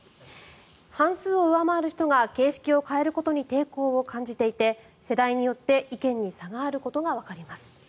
半数を上回る人が形式を変えることに抵抗を感じていて世代によって意見に差があることがわかります。